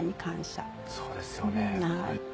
そうですよね。